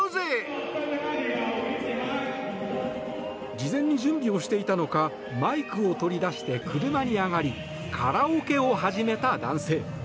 事前に準備をしていたのかマイクを取り出して車に上がりカラオケを始めた男性。